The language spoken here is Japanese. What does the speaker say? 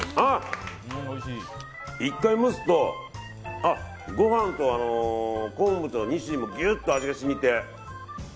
１回、蒸すとごはんと昆布とニシンの味がギュッと染みて。